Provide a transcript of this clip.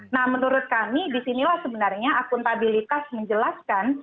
nah menurut kami disinilah sebenarnya akuntabilitas menjelaskan